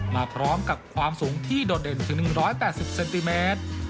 มาพร้อมกับความสูงที่โดดเด่นถึงหนึ่งร้อยแปดสิบเซนติเมตร